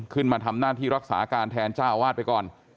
ขึ้นมาทำหน้าที่รักษาการแทนเจ้าอาวาสไปก่อน